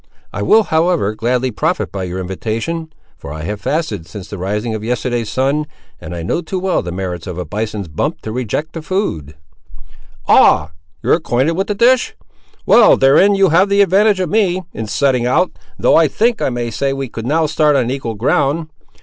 I will, however, gladly profit by your invitation, for I have fasted since the rising of yesterday's sun, and I know too well the merits of a bison's bump to reject the food." "Ah! you ar' acquainted with the dish! Well, therein you have the advantage of me, in setting out, though I think I may say we could now start on equal ground.